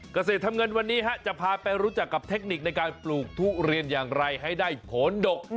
เกษตรทำเงินวันนี้จะพาไปรู้จักกับเทคนิคในการปลูกทุเรียนอย่างไรให้ได้ผลดก